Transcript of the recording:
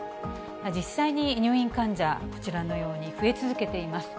実際に入院患者、こちらのように増え続けています。